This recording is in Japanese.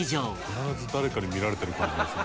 「必ず誰かに見られてる感じがする」